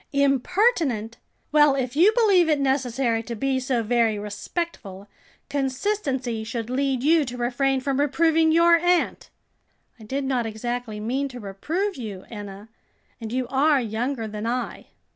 "Impertinent! Well, if you believe it necessary to be so very respectful, consistency should lead you to refrain from reproving your aunt." "I did not exactly mean to reprove you, Enna, and you are younger than I."